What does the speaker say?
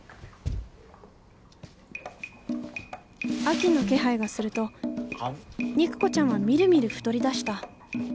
秋の気配がすると肉子ちゃんはみるみる太りだした。